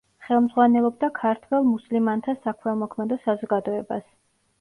ხელმძღვანელობდა ქართველ მუსლიმანთა საქველმოქმედო საზოგადოებას.